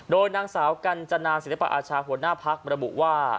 โดยนางสาวกัญจนาศิลปอาชาหัวหน้าพักระบุว่า